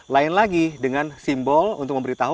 lain lagi dengan simbol untuk memberitahu